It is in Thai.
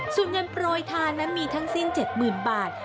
สุดยันปรอยทานมีทั้งสิ้น๗๐๐๐๐บาท